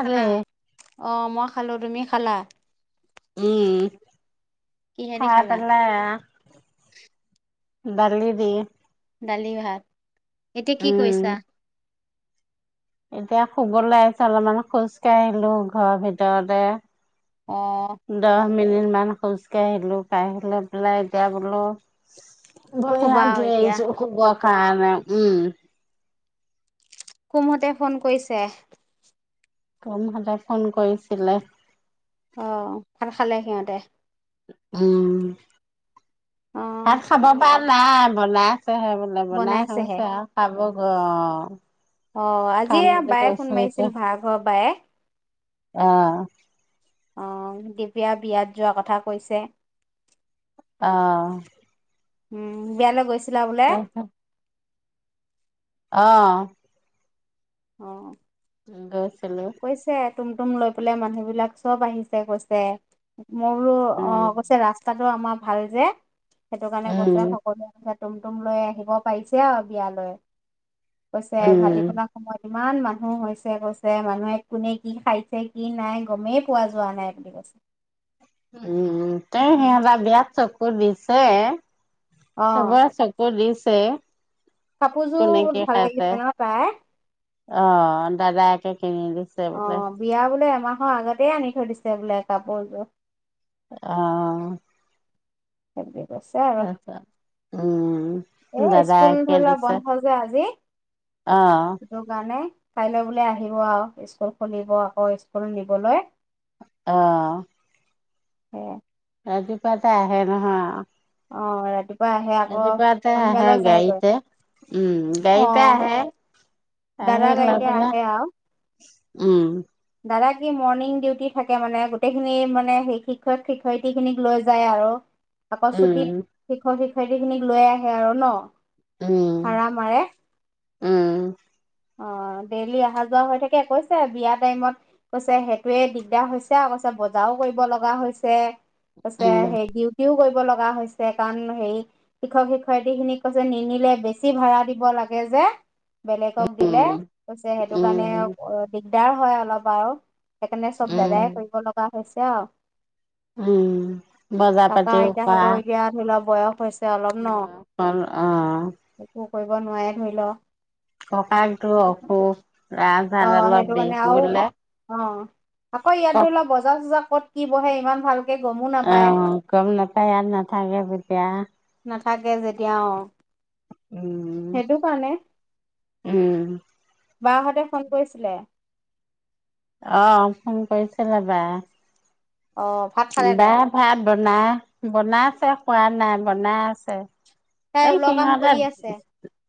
খালি খালা অ মই খালো তুমি খালা উম। কিহেদি খাই খালা? পেলায় আ দালি দি। দালি ভাত। এতিয়া কি কইছা? এতিয়া শুবলৈ আহিছো, অলপমান খোজ কাঢ়িলো ঘৰৰ ভিতৰতে। অহ। মিনিটমান খোজকাঢ়িলোঁ, কাঢ়িলৈ পেলাই এতিয়া বোলো শুবা ভৰি-হাত আৰু ধুই এতিয়া। আহিছো, সুব কাৰনে, উম। কোমহঁতে ফোন কৰিছে? তমহলে ফোন কৰিছিলে। অ, ভাত খালে সিহঁতে? উম। অ', ভাত খাব পাৰ নাই, বনা ছেহে বোলে, বনাই বনাইছেহে। হৈছে আৰু খাব অ অ আজি খাম এয়া বুলি বায়ে ফোন কৈছে মাৰিছিল, ভাৰা ঘৰৰ বায়ে। অহ। অ, দুপৰীয়া বিয়াত যোৱাৰ কথা কৈছে। অ। উম, বিয়ালৈ গৈছ ছিলা বোলে? তাৰপিছত অ। অ। গছ কৈছে। তুম-তুম লৈ পেলাই মানুহ বিলাক, চব আহিছে কৈছে। মই বোলো, অ উম কৈছে ৰাস্তাত টো আমাৰ ভাল যে। সেইটো কাৰণে কৈছে, উম সকলোৱে তুম-তুম লৈ আহিব পাৰিছে আৰু বিয়ালৈ। কৈছে, উম ভাটি-বেলাৰ সময়ত ইমান মানুহ হৈছে, কৈছে। মানুহে কোনে কি খাইছে, কি নাই গমেই পোৱা যোৱা নাই বুলি কৈছে। উম-উম, [unintelligible] বিয়াত চব তোৰ দিছে অ', চবে চকু দিছ [unintelligible] কাপোৰযোৰ কোনে বহুত কি ভাল খাইছে? লাগিছে ন তাই? অ', দাদায়েকে অ', বিয়া বোলে এম এমাহৰ আগতে আনি থৈ দিছে বোলে কাপোৰযোৰ অ'। [unintelligible] [unintelligible] আৰু এ তাৰপিছত উম স্কুল দাদাকে ধৰি লোৱা দিছে বন্ধ যে আজি অ [unintelligible] গানে কাইলৈ বোলে আহিব আৰু, স্কুল খুলিব আকৌ স্কুল নিবলৈ অ'। সেয়াই। ৰাতিপুৱাতে আহে নহয় অ', ৰাতিপুৱা আহে আকৌ ৰাতিপুৱাতে আহে, সন্ধিয়ালৈ যায়গৈ। গাড়ীতে উম। গাড়ীতে অ'। আহে দাদা আহি লৈ গাড়ীতে পেলাই আহে আৰু উম। দাদা কি মৰ্ণিং ডিউটি থাকে মানে, গোটেইখিনি মানে সেই শিক্ষক-শিক্ষয়িত্ৰী খিনিক লৈ যায় আৰু। আকৌ উম ছুটিত শিক্ষক-শিক্ষ য়ত্ৰীখিনিক লৈ আহে আৰু ন'। উম ভাড়া মাৰে উম। অ', ডেইলি অহা-যোৱা হৈ থাকে কৈছে বিয়া টাইমত কৈছে সেইটোৱে দিগদাৰ হৈছে আৰু কৈছে বজাৰও কৰিব লগা হৈছে উম [unintelligible] দি [unintelligible] ডিউটিও কৰিব লগা হৈছে কাৰণ হেৰি, শিক্ষক-শিক্ষয়িত্ৰীখিনিক কৈছে নিনিলে বেছি ভাড়া দিব লাগে যে বেলেগ উম উম দিগদাৰ হয় অলপ বাৰু সেইকাৰণে চব উম, দাদাই কৰিব লগা হৈছে আও উম বজাৰ [inaudible] ককা-আইতাহঁতৰ এতিয়া ধৰি লওঁক বয়স হৈছে অলপ ন বা বাৰু অহ একো কৰিব নোৱাৰে ধৰি ল' ককাঁলতো অসুখ ৰাজ অ হাড় ডালৰ সেইটো বিষ কাৰণে আৰু বোলে অ আকৌ ইয়াত [inaudible] অহ ধৰি লোৱা বজাৰ চজাৰ ক'ত কি বহে? ইমান ভাল অ', গম নাপায় ইয়াত নাথাকে যেতিয়া নাথাকে যেতিয়া অ'। উম। সেইটো কাৰণে উম, বাহঁতে ফোন কৰিছিলে অ', ফোন কৰিছিলে বায়ে। অ ভাত খালে বা তাই ভাত ব নাই বনাই আছে খোৱা নাই বনাই আছে। তাই এই ওলৰ কাম সিহঁতে কৰি আছে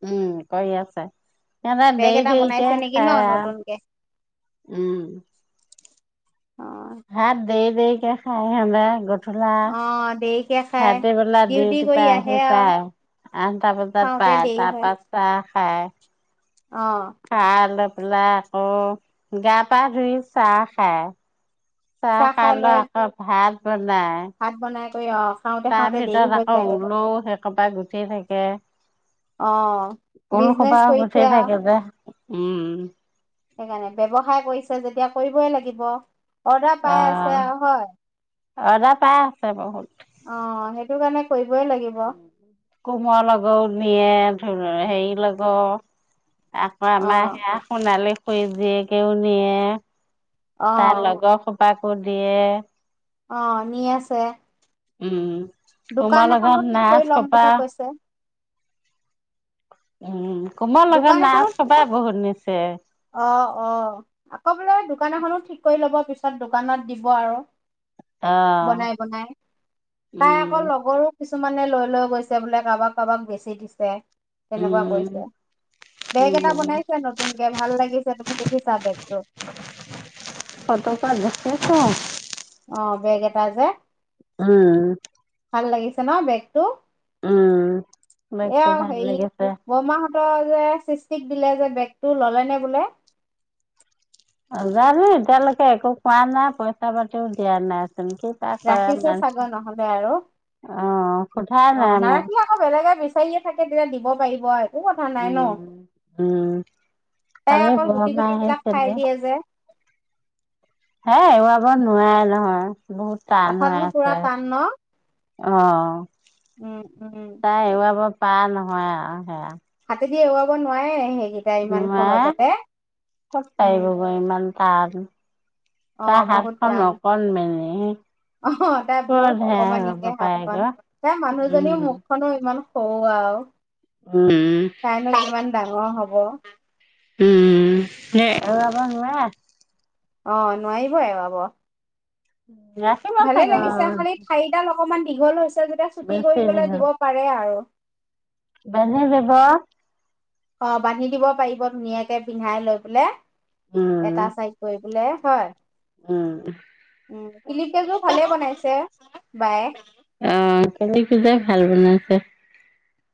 উম কৰি আছে সিহঁতে বেগ দেৰি এটা দেৰিকে বনাইছে নেকি ন খায় আৰু নতুনকে উম অ ভাত দেৰি দেৰি কে খায় সদায়। অ দেৰিকে [unintelligible] খাই ৰাতি বেলা ডিউটি কৰি পৰা আহে আহি আৰু পায়, আঠটা বজাত খাওঁতে পায় দেৰি হয় তাৰপা চাহ খায়। [unintelligible] অ [unintelligible] আকৌ গা পা ধুই চাহ খায়। চাহ খায় লৈ আকৌ ভাত। নাই। সয়া। তাৰ ভিতৰত আকৌ ওলও। কবাত গুটেই থাকে। অ ওল বিজনেচ সূপা কৰিছে গুঠি আৰু থাকে যে। উম। সেইকাৰণে, ব্যৱসায় কৰিছে যেতিয়া কৰিবই লাগিব। অৰ্ডাৰ পাই আছে আৰু আহ হয়। অৰ্ডাৰ পাই আছে বহুত। অ সেইটো কাৰণে কৰি। কোমোৱা লগও নিয়ে। হেৰি লগ। আকৌ আমাৰ সেয়া সোণালী পাপৰি জীয়েকেও নিয়ে। অ তাৰ লগৰ। তাকো দিয়ে। অঁ, আনি আছে। উম, কুমুৱা দোকান এখনো লগত ঠিক কৰি নাচ ল'ম কপা। বুলি কৈছে উম। কোমা লগত দোকান নাচ এখনো হুপাই বহুত নিচে। অ, অ, আকৌ বোলে দোকান এখনো ঠিক। কৰি লব পিছত দোকানত দিব আৰু। অ বনাই বনাই, তাই উম আকৌ লগৰো কিছুমানে লৈ লৈ গৈছে বোলে, কাৰোবাক কাৰোবাক বেছি দিছে। তেনেকুৱা কৈছে, উম বেগ এটা উম বনাইছে নতুন। ভাল লাগিছে তুমি দেখিছা বেগটো। অ। অ বেগ এটাজে। উম। ভাল লাগিছে ন বেগটো। উম বেগটো ভাল লাগিছে। তই যে সৃষ্টিক দিলে যে বেগটো ললে নে বোলে। নাজানো এতিয়ালৈকে একো কোৱা নাই পইচা পাতিও দিয়া নাই তেনেকে পাৰ কৰে ৰাখিছে চাগৈ নহ'লে আৰু অ সোধা অ নাই মই।। নাৰাখিলে আকৌ বেলেগে বিচাৰিয়ে থাকে তেতিয়া দিব পাৰিব। একো কথা নাই ন উম উম তাই কালি অকল গুটি বৰমা গুটি বিলাক আহিছিলে খাই দিয়ে যে। হে এৰুৱাব নোৱাৰে নহয়। বহুত টান হৈ আঠাটো পুৰা আছে টান ন? অ উম উম পায় নহয় আৰু সেয়া। হাতেদি এওৱাব নোৱাৰে এ সে নোৱাৰে কত উম পাৰিব বাৰু ইমান। [inaudible] অ তাৰ বহুত হাতখন টান অকণমানি অ তাই ক'ত বহুত হে এৰুৱাব অকমানিকে হাতখন পাৰেগৈ তাই মানুহজনীও উম মুখখনো ইমান। অ আও। উম তাইনো কিমান ডাঙৰ হ'ব। উম নে এওৱাব নোৱাৰে? অ নোৱাৰিব এৰুৱাব। ৰাখিব ভালে চাগে লাগিছে অ' খালি ঠাইডাল অল। অকমান দীঘল হৈছে। যেতিয়া ছুটি বেছি কৰি পেলাই দিব পাৰে আৰু। বেছি দিব অ বান্ধি দিব পাৰিব ধুনীয়াকে পিন্ধাই লৈ পেলে। এটা উম চাইড কৰি। বোলে হয়। উম। উ কিলিপ কেজো ভালে বনাইছে বায়ে। এহ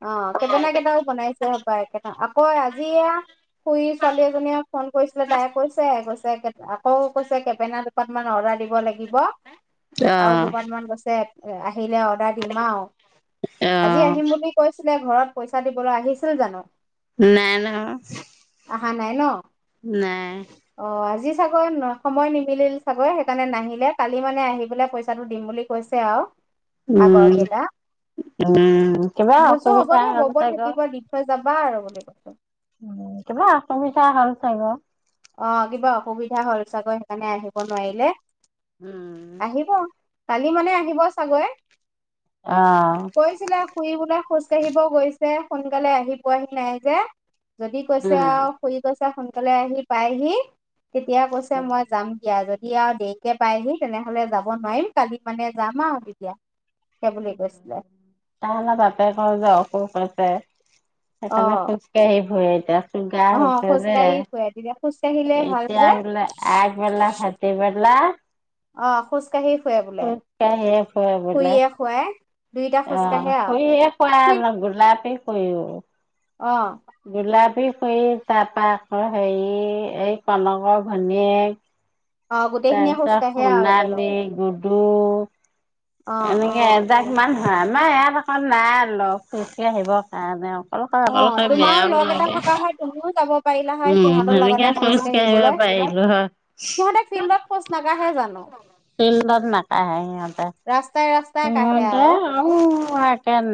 অ ', কেপেনা কেইটাও বনাইছে পাই একেটা আকৌ আজি এয়া, খুুৰী ছোৱালী- এজনীয়ে ফোন কৰিছিলে তাই কৈছে -কৈছে জেকেট আকৌ কৈছে কেপেনা অকণমান অৰ্ডাৰ দিব লাগিব। অ আৰু দুপাত মান গছে এয়াই', - আহিলে অৰ্ডাৰ দিম আৰু অ আজি আহিম বুলি ছিলে ঘৰত পইচা দিবলৈ আহিছিল জানো? নাই নহ, - আহা নাই ন? নাই। অ আজি চাগৈ সময় নিমিলিল চাগে সেইকাৰণে নাহিলে, কালি মানে আহি পেলাই পইচাটো দিম বুলি কৈছে আৰু আগৰ উম কেইটা উম কিবা মইকৈছো হ'ব অসুবিধা দে, হ'ল বইবৈ চাগৈ থাকিব দি থৈ যা যাবা আৰু বুলি কৈছোঁ। উম, 'কিবা অসুবিধা হ'ল চাগে। অ', কিবা অসুবিধা হ'ল চাগে, সেইকাৰণে আহিব নোৱাৰিলে। উম', আহিব কালি মানে আহিব চাগে। অ', কৈছিলে শুই বুলে খোজ ফুৰিব গৈছে সোনকালে আহি পোৱাহি নাই যে। যদি কৈছে আৰু খুৰি কৈছে ছে, সোনকালে আহি পায়হি। তেতিয়া কৈছে মই যাম দিয়া, যদ এতিয়া দেৰিকে পায়হি তেনেহ'লে যাব নোৱাৰিম কালি মানে যাম আৰু তেতিয়া। সেই বুলি কৈছিলে তাহালে তাকে কওঁ যে অসুখ হৈছে। অ সেইফালে খোজকাঢ়ি ভুৱে। [unintelligible] গা ', অ হৈছে যে, খোজকাঢ়ি ফুৰে তেতিয়া খোজকাঢ়িলে ভাল এতিয়া যে ওলাই আগবেলা, ভাটিবেলা অ, খোজ কাঢ়িয়ে ফুৰে বোলে, খোজকাঢ়িয়ে ফুৰে বোলে। খুৰীয়ে খুৱাই দুইটা অ খোজকাঢ়ে আৰু 'খুৰীয়ে শুৱাই খুৰী আৰু গোলাপী আই', - ৱ, অ', - গোলাপ ফুৰি ফুৰি তাৰপা আকৌ হেৰি এই কনকৰ ভনীয়েক। অ', গোটেইখিনিয়ে তাৰপিছত খোজকাঢ়ে আৰু সোণালী, একেলগে গুডু উম। অ', এনেকে অ', এজাক মান। হয়, আমাৰ ইয়াত আকৌ নাই বাওঁ। অ', তোমাৰো লগ এটা থকা হয় তুমিও যাব পাৰি। উম, সেনেকে খোজ কাঢ়িব পাৰিলো হয়। সিহঁতে ফিল্ডত খোজ নাকাঢ়ে জানো ফিল্ডত নাকাঢ়ে [inaudible] ৰাস্তাই ৰাস্তাই কাঢ়ে সিহঁতে আৰু উ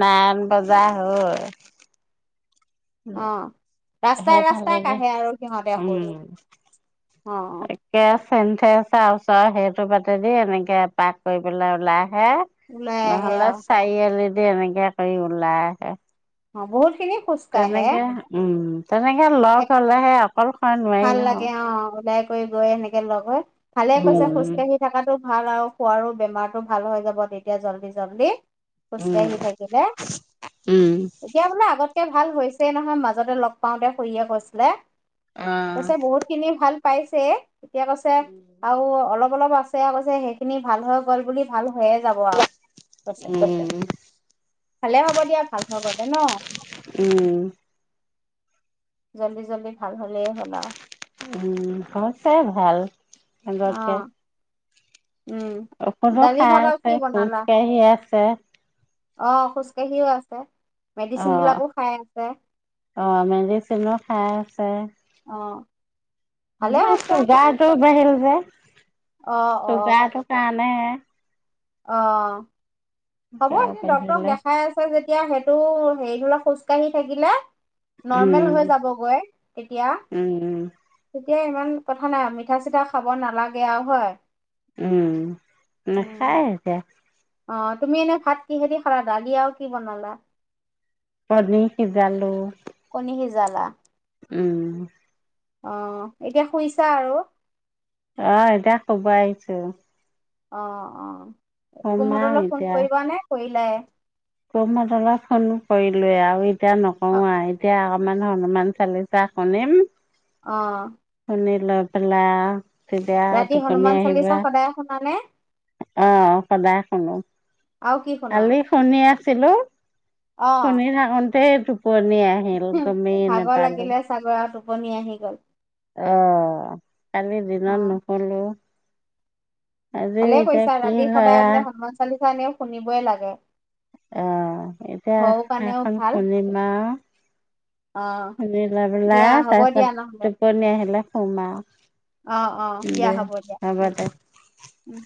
নাইন বজাত। যা হয়। অ', ৰাস্তাই-ৰাস্তাই সেইফালেদি কাঢ়ে আৰু সিহঁতে উম খোজ, অ'। সন্ধিয়া ৰাস্তা ওচৰ সেইটো বাতেদি এনেকে এপাক কৰি পেলাই ওলাই হে ওলাই আহে নহ'লে আৰু চাইআলিত যে এনেকে কৰি ওলাই আহে। অ', বহুত খিনি। খোজ তেনেকে, কাঢ়ে উম। তেনেকে লগ হলেহে অ সৰু খন নোৱাৰি নহয়। গৈ-গৈ এনেকে লগত ভালে কৈছে উম। খোজকাঢ়ি থকাতো। ভাল আৰু খোৱাৰো বেমাৰতটো ভাল হৈ যাব তেতিয়া জল্দি-জল্দি। উম, খোজকাঢ়ি থাকিলে, উম, এতিয়া বোলে আগত। তকে ভাল হৈছেই নহয় মাজতে লগ পাওঁতে খুৰীয়ে কৈছিলে। কৈছে, বহুত খিনি ভাল। পাইছে। তেতিয়া কৈছে, আৰু অলপ। অলপ আছে কৈছে, সেইখিনি ভাল হৈ গ'ল বুলি ভাল। হৈয়ে যাব আৰু, কৈছে। উম, খালে। হব দিয়া, ভাল হৈ গ'লে ন। জল্দি-জল্দি ভাল হ'ল। হ'লে হল আও। উম, হৈছে ভাল। অ আগতে উম, দালি ভাত আৰু আছে, কি বনালা?। খোজকাঢ়ি আছে। অ', খোজকাাঢ়িও আছ [inaudible] অ', অ', মেডিচিনো খায় [unintelligible] অহ চুগাৰটো বাঢ়িল যে অ অ চুগাৰটোৰ কাৰণেহে। অ। হ'ব চুগাৰ [unintelligible] ডক্তৰক বাঢ়িলে। দেখাই আছে যেতিয়া [unintelligible] খোজ কাঢ়ি থাকিলে নৰ্মেল উম, হৈ যাবগৈ তেতিয়া, উম, তেতিয়াই ইমান কথা নাই মিঠা চিঠা খাব নালাগে আৰু হয়। উম, উম নেখায় এতিয়া। অ', তুমি এনে ভাত কিহেদি খালা? দালি আৰু কি বনালা? কনীৰ সিজালো। কণী সিজালা। উম। অ', এতিয়া শুইছা আৰু। অ', এতিয়া শুব আহিছো। অ', অ। কুম শুম হতলৈ ফোন কৰিবা নে? কৰি [unintelligible] কুম হতলৈ ফোন কৰিলোৱে‌ আৰু‌ এ এতিয়া অ নকৰো আৰু এতিয়া মানে হনুমান চালিচা শুনিম। অ। শুনি লৈ পেলাই তেতিয়া ৰাতি টোপনি হনুমান আহিব। চালিচা সদায় শুনানে অহ সদায় শুনো আৰু কি শুনা কালি শুনি আছিলো অ শুনি থাকোতেই টোপনি আহিল গমেই ভাগৰ নাপালো। লাগিলে চাগৰ আৰু টোপনি আহি গ'ল। অ', কালি অ দিনত নুশুলো। আজি ভালে এতিয়া কৰিছা কি ৰাতি সদায় হয় বোলে [unintelligible] শুনিবই লাগে। অহ এতিয়া ঘৰৰ কাৰণেও এখন ভাল শুনিম আৰু অ শুনি লৈ দিয়া পেলাই হ'ব দিয়া তাৰপিছত নহ'লে টোপনি আহিলে শুম আৰু অ', অ', দিয়া দে হ'ব দিয়া দে উম।